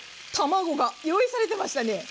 卵が用意されてましたね。